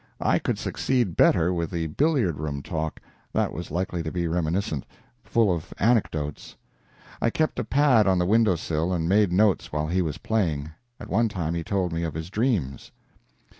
I could succeed better with the billiard room talk that was likely to be reminiscent, full of anecdotes. I kept a pad on the window sill, and made notes while he was playing. At one time he told me of his dreams.